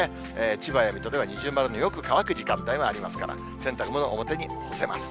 千葉や水戸では二重丸のよく乾く時間帯もありますから、洗濯物、表に干せます。